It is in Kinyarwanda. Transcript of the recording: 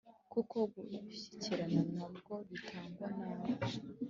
kuko gushyikirana na bwo bitagwa nabi